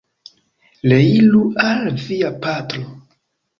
Reiru al via patro!